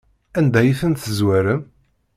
Anda ay ten-tezwarem?